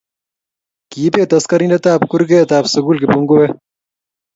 Kiibet askarinte ab kurkee ab sukul kipunguet.